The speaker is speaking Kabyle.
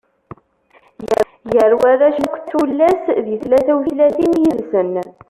Gar warrac akked tullas, di tlata utlatin yid-sen.